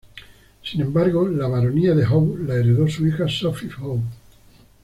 Sin embargo, la baronía de Howe la heredó su hija Sophie Howe.